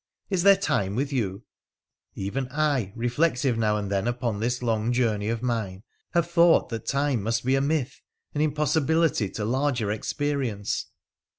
' Is there time with you ? Even I, reflective now and then upon this long journey of mine, have thought that time must be a myth, an impossibility to larger experience.'